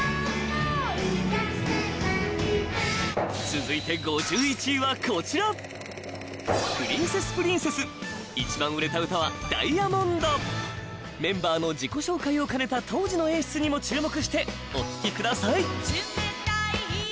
続いて５１位はこちらプリンセスプリンセス一番売れた歌は「Ｄｉａｍｏｎｄｓ」メンバーの自己紹介を兼ねた当時の演出にも注目してお聴きください